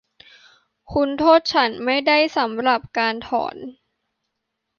คุณโทษฉันไม่ได้สำหรับการถอน